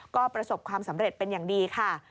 ก็ประสบความสำเร็จเป็นอย่างดีค่ะ